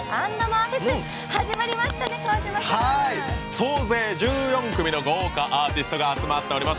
総勢１４組の豪華アーティストが集まっております。